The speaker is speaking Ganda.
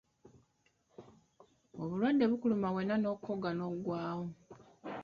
Obulwadde bukuluma wenna n'okogga n'oggwawo.